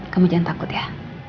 kamu jangan takut ya